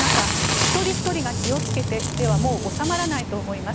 一人ひとりが気をつけてではもう収まらないと思います。